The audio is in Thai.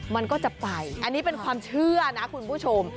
มันก็จะไปอันนี้เป็นความเชื่อนะคุณผู้ชม